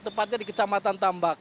tepatnya di kecamatan tambak